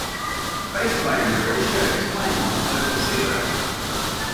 A bass player in a red shirt is playing while smoking a cigarette.